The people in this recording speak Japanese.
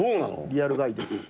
「リアルガイです」って。